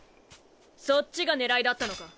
そっちが狙いだったのか？